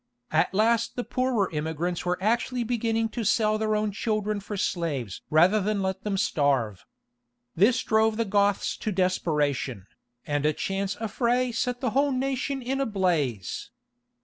At last the poorer immigrants were actually beginning to sell their own children for slaves rather than let them starve. This drove the Goths to desperation, and a chance affray set the whole nation in a blaze.